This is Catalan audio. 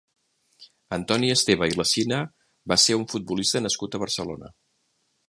Antoni Esteve i Lecina va ser un futbolista nascut a Barcelona.